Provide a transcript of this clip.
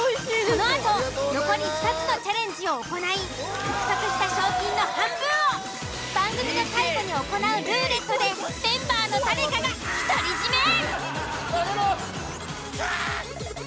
このあと残り２つのチャレンジを行い獲得した賞金の半分を番組の最後に行うルーレットでメンバーの誰かが独り占め。